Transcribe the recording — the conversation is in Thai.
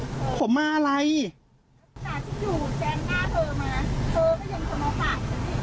ฉันจะจูบแจงหน้าเธอมา